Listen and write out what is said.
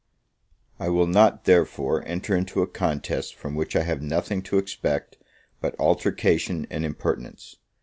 I will not, therefore, enter into a contest from which I have nothing to expect but altercation and impertinence.